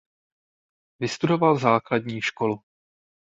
Vystudoval základní školu.